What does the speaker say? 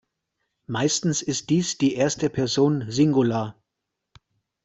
Meistens ist dies die erste Person Singular.